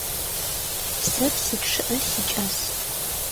Сэ псы чъыӏэ сикӏас.